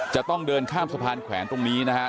จะต้องเดินข้ามสะพานแขวนตรงนี้นะฮะ